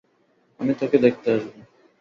আমি তোকে দেখতে আসবো।